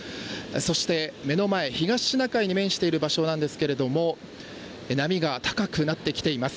そして、目の前東シナ海に面している場所ですが波が高くなってきています。